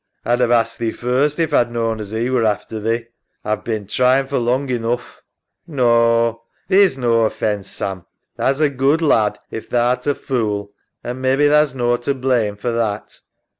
A'd 'ave asked thee first if A'd knawn as 'e were after thee. A've bin tryin' for long enough. EMMA. No. Theer's no offence, Sam. Tha's a good lad if tha art a fool, an' mebbe tha's no to blame for that.